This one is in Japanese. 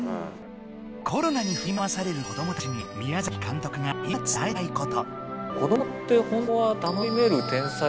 コロナにふり回される子どもたちに宮崎監督が今伝えたいこと。